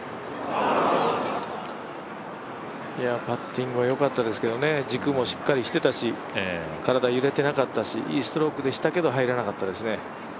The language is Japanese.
パッティングはよかったですけどね、軸はよかったし、体、揺れてなかったですしいいストロークでしたけど入らなかったですね。